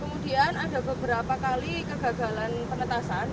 kemudian ada beberapa kali kegagalan penetasan